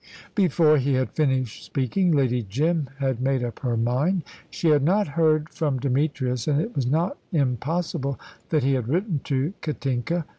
Before he had finished speaking Lady Jim had made up her mind. She had not heard from Demetrius, and it was not impossible that he had written to Katinka.